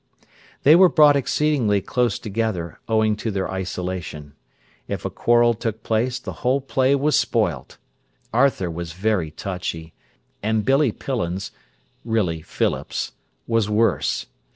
They were brought exceedingly close together owing to their isolation. If a quarrel took place, the whole play was spoilt. Arthur was very touchy, and Billy Pillins—really Philips—was worse.